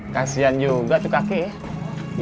kasian juga tuh kakek ya